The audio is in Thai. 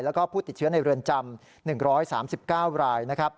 แล้วก็ผู้ติดเชื้อในเรือนจำ๑๓๙รายนะครับ